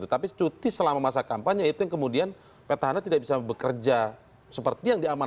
tapi cuti selama masa kampanye itu yang kemudian petahana tidak bisa bekerja seperti yang diamankan